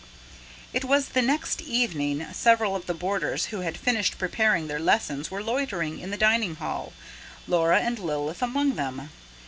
It was the next evening. Several of the boarders who had finished preparing their lessons were loitering in the dining hall, Laura and Lilith among them.